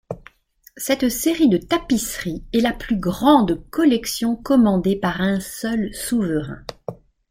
Cette série de tapisseries est la plus grande collection commandée par un seul souverain.